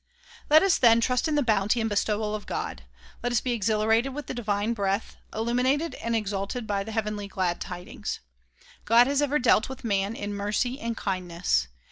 Let us then trust in the bounty and bestowal of God. Let us be exhilarated with the divine breath, illumined and exalted by the heavenly glad tidings. God has ever dealt with man in mercy and kindness.